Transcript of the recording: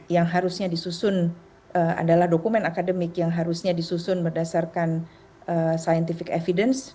yang harusnya disusun adalah dokumen akademik yang harusnya disusun berdasarkan scientific evidence